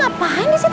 hah makan apa